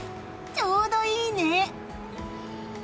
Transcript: ちょうどいいね！